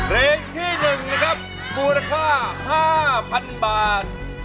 เพลงที่๑นะครับมูลค่า๕๐๐๐บาท